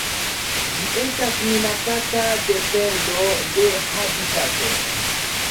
Ĝi estas minacata de perdo de habitato.